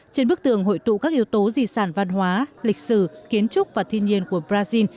trên bức tường hội tụ các yếu tố di sản văn hóa lịch sử kiến trúc và thiên nhiên của brazil